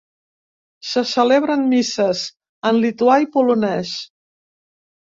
Se celebren misses en lituà i polonès.